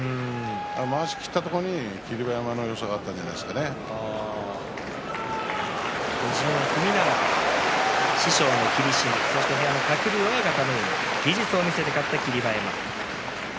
まわしを切ったところに霧馬山のよさだったんじゃ手順を踏みながら師匠の霧島そして部屋の鶴竜親方に技術を見せて勝った霧馬山です。